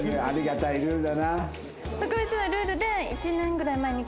ありがたいルールだな。